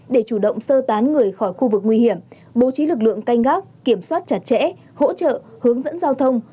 để chủ động sơ tán người khỏi khu vực nguy hiểm bố trí lực lượng canh gác kiểm soát chặt chẽ hỗ trợ hướng dẫn giao thông